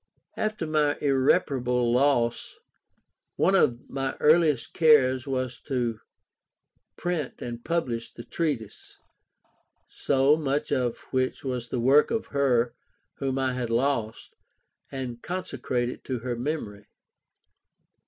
After my irreparable loss, one of my earliest cares was to print and publish the treatise, so much of which was the work of her whom I had lost, and consecrate it to her memory.